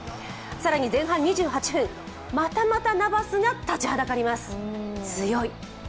更に前半２８分、またまたナバスが立ちはだかります、強い。